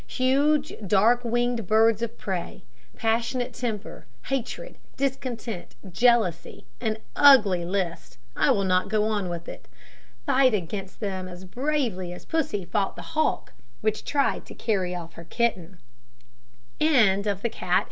Huge dark winged birds of prey passionate temper, hatred, discontent, jealousy; an ugly list, I will not go on with it. Fight against them as bravely as Pussy fought with the hawk which tried to carry off her kitten.